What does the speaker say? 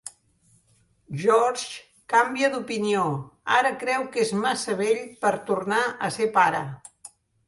George canvia d'opinió, ara creu que és massa vell per tornar a ser pare.